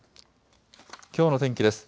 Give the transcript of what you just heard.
きょうの天気です。